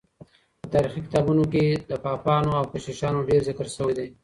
په تاريخي کتابونو کي د پاپانو او کشيشانو ډېر ذکر سوی دی.